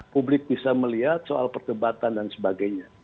publik bisa melihat soal perdebatan dan sebagainya